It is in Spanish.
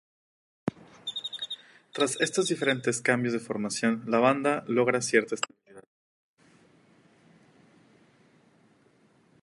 Tras estos diferentes cambios de formación, la banda logra cierta estabilidad.